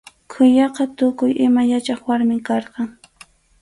Quyaqa tukuy ima yachaq warmim karqan.